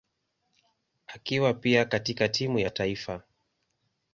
akiwa pia katika timu ya taifa.